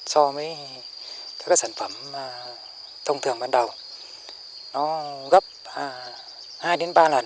so với các sản phẩm thông thường ban đầu nó gấp hai đến ba lần